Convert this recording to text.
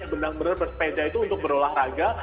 benar benar bersepeda itu untuk berolahraga